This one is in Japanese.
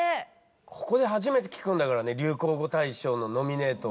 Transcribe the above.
ここで初めて聞くんだからね流行語大賞のノミネートを。